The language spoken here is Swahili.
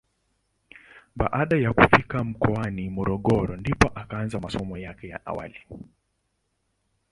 Baada ya kufika mkoani Morogoro ndipo akaanza masomo yake ya awali.